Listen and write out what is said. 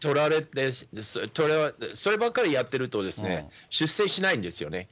そればっかりやってるとですね、出世しないんですよね。